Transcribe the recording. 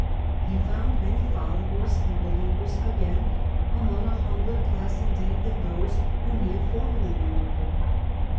He found many followers and believers again, among a humbler class indeed than those whom he had for merly won over.